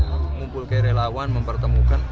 mengumpulkan ke relawan mempertemukan